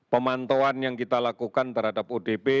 pemantauan yang kita lakukan terhadap odp